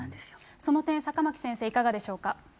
その点、坂巻先生、いかがでしょうか。